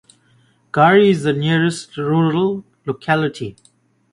Gari is the nearest rural locality.